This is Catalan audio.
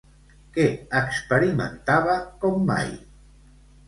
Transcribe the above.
Què experimentava com mai?